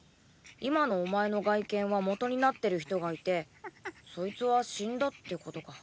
今のお前の外見は「元」になってる人がいてそいつは死んだってことか。